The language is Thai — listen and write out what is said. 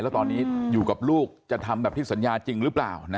แล้วตอนนี้อยู่กับลูกจะทำแบบที่สัญญาจริงหรือเปล่า